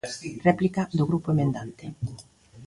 Réplica do grupo emendante.